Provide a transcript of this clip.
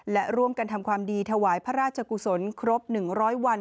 และร่วมกันทำความดีถวายพระราชกุศลครบ๑๐๐วัน